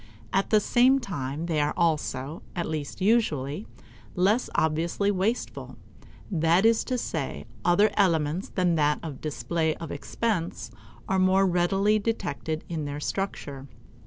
At the same time they are also, at least usually, less obviously wasteful; that is to say, other elements than that of a display of expense are more readily detected in their structure.